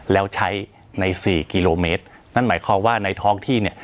แล้วใช้ในสี่กิโลเมตรนั่นหมายความว่าในท้องที่เนี่ย